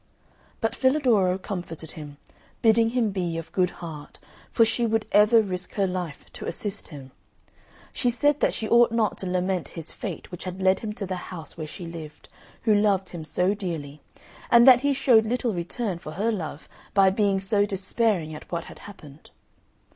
But Filadoro comforted him, bidding him be of good heart, for she would ever risk her life to assist him. She said that she ought not to lament his fate which had led him to the house where she lived, who loved him so dearly, and that he showed little return for her love by being so despairing at what had happened.